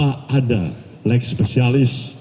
tanpa ada leg spesialis